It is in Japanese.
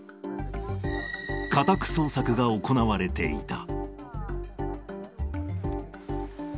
家宅捜索が行われていた。